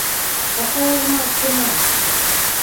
Какая-ж мать ты нам?